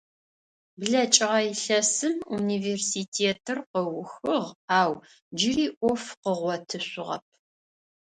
БлэкӀыгъэ илъэсым университетыр къыухыгъ ау джыри Ӏоф къыгъотышъугъэп.